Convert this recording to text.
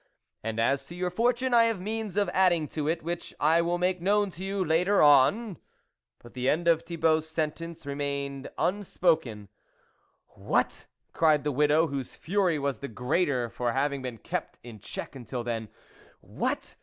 and as to your fortune, I have means of adding to it which I will make known to you later on .... it But the end of Thibault's sentence re mained unspoken. " What !" cried the widow, whose fury was the greater for having been kept in check until then, " What